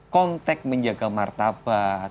kontek menjaga martabat